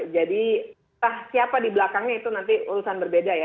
jadi siapa di belakangnya itu nanti urusan berbeda ya